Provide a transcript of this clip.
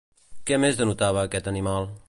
Què més denotava aquest animal?